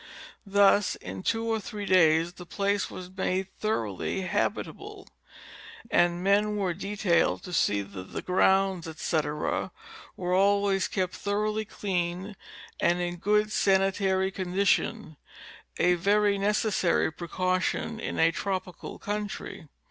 Thus in two or three days the place was made thoroughly habita ble, and men were detailed to see that the grounds, etc., were always kept thoroughly clean and in a good sanitary condition, a very necessary precaution in a tropical country.